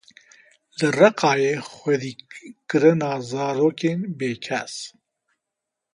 Li Reqayê xwedîkirina zarokên bêkes.